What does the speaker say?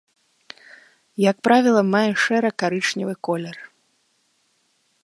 Як правіла, мае шэра-карычневы колер.